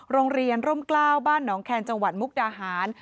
โรงเรียนร่มกล้าวบ้านหนองแคนจังหวัดมุกดาหาร